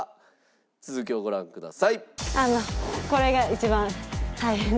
続きをご覧ください。